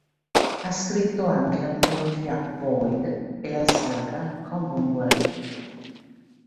Ha scritto anche la trilogia "Void" e la saga "Commonwealth".